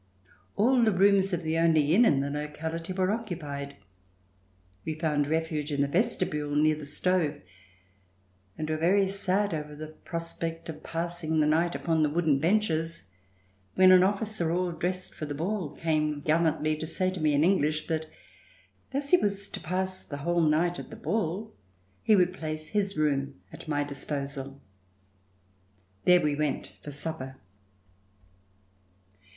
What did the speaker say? AH the rooms of the only inn in the locality were occupied. We found refuge [ 306 ] RETURN TO PARIS in the vestibule near the stove and were very sad over the prospect of passing the night upon the wooden benches, when an officer all dressed for the ball came gallantly to say to me in English that as he was to pass the whole night at the ball he would place his room at my disposal. There we went for supper.